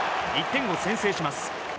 １点を先制します。